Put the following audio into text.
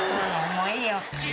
もういいよ。